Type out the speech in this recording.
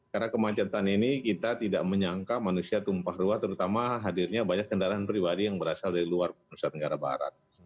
karena kemancetan ini kita tidak menyangka manusia tumpah luar terutama hadirnya banyak kendaraan pribadi yang berasal dari luar indonesia tenggara barat